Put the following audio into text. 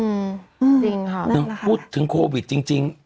จริงค่ะนั่นแหละค่ะพูดถึงโควิดจริงจริง